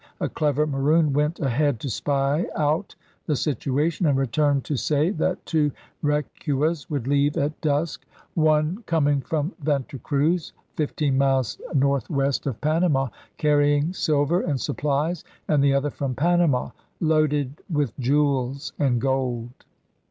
A clever Maroon went ahead to spy out the situation and returned to say that two recuas would leave at dusk, one DRAKE'S BEGINNING 111 coming from Venta Cruz, fifteen miles northwest of Panama, carrying silver and supplies, and the other from Panama, loaded with jewels and gold.